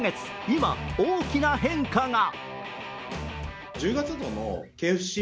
今、大きな変化が。